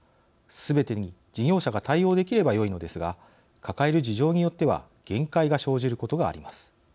すべてに事業者が対応できればよいのですが抱える事情によっては限界が生じることがあります。